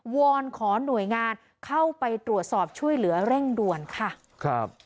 วอนขอหน่วยงานเข้าไปตรวจสอบช่วยเหลือเร่งด่วนค่ะครับ